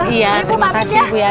iya terima kasih bu ya